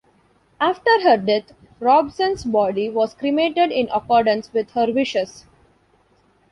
After her death, Hobson's body was cremated in accordance with her wishes.